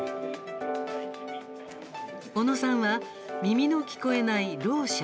小野さんは、耳の聞こえないろう者。